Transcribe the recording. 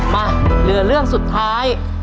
มาเหลือเรื่องสุดท้าย